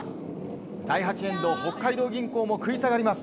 第８エンド北海道銀行も食い下がります。